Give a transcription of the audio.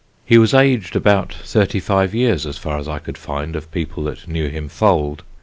He was aged about thirty five years, as far as I could find of people that knew him foaled.